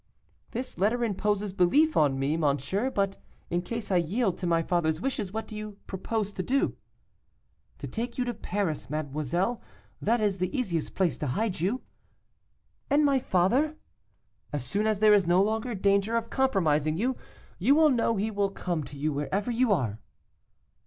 'This letter imposes belief on me, monsieur; but in case I yield to my father's wishes, what do you propose to do?' 'To take you to Paris, mademoiselle; that is the easiest place to hide you.' 'And my father?' 'As soon as there is no longer danger of compromising you, you know he will come to you wherever you are.